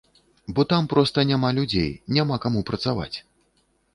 Бо там проста няма людзей, няма каму працаваць.